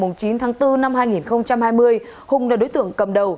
ngày chín tháng bốn năm hai nghìn hai mươi hùng là đối tượng cầm đầu